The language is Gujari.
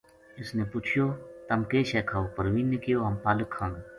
اس نے پچھیو:”تم کے شے کھاؤ؟“ پروین نے کہیو: ” ہم پالک کھاں گا۔